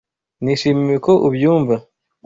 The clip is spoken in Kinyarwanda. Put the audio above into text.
Nishimiye ko ubyumva.